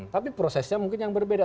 tapi prosesnya mungkin yang berbeda